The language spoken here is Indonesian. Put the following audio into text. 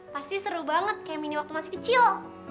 pasti seru banget kayak mini waktu masih kecil